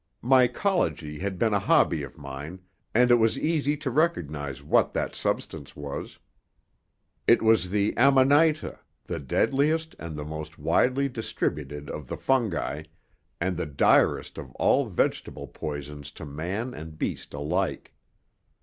Mycology had been a hobby of mine, and it was easy to recognize what that substance was. It was the amanita, the deadliest and the most widely distributed of the fungi, and the direst of all vegetable poisons to man and beast alike.